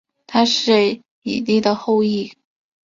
他是以利的后裔。